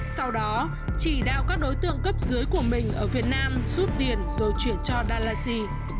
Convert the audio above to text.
sau đó chỉ đạo các đối tượng cấp dưới của mình ở việt nam rút tiền rồi chuyển cho dalasi